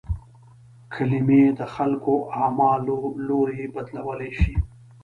کلمې د خلکو اعمالو لوری بدلولای شي.